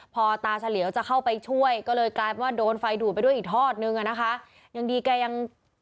พอตาเฉลียวจะเข้าไปช่วยก็เลยกลายเป็นว่าโดนไฟดูดไปด้วยอีกทอดนึงอ่ะนะคะยังดีแกยัง